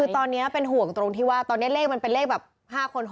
คือตอนนี้เป็นห่วงตรงที่ว่าตอนนี้เลขมันเป็นเลขแบบ๕คน๖